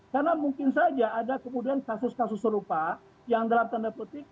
karena mungkin saja ada kemudian kasus kasus serupa yang dalam tanda protik